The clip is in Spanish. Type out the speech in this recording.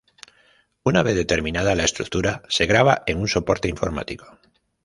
Una vez determinada la estructura, se graba en un soporte informático.